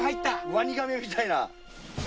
ワニガメみたいな。